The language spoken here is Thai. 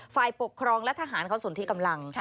ฝ่ายปกครองและทหารเขาสนที่กำลัง